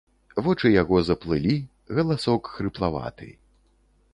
Вочы яго заплылі, галасок хрыплаваты.